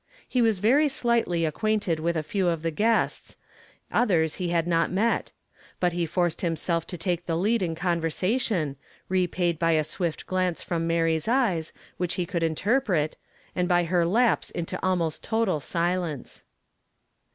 He was very slightly acquainted with a few of the guests, others he had not met ; but he forced liimself to take the lead in convei sation, repaid by a swift glance from Mary's eyes which he could interpret, and by her lapse into almost total silence.